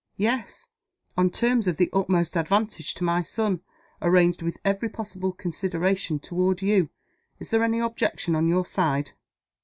"Yes on terms of the utmost advantage to my son; arranged with every possible consideration toward you. Is there any objection on your side?"